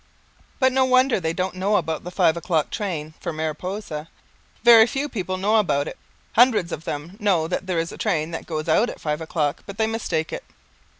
But no wonder they don't know about the five o'clock train for Mariposa. Very few people know about it. Hundreds of them know that there is a train that goes out at five o'clock, but they mistake it.